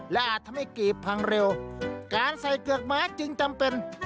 และอาจทำให้กรีบพังเร็วการใส่เกือกม้าจึงจำเป็น